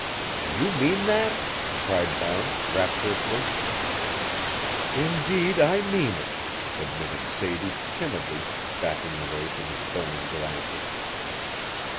"Do you mean that?" cried Barnes, rapturously. "Indeed I mean it," admitted Sadie, timidly, backing away from his burning glances.